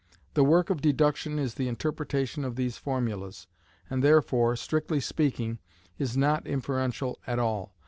The work of deduction is the interpretation of these formulas, and therefore, strictly speaking, is not inferential at all.